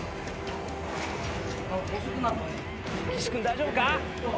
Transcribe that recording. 岸君大丈夫か！？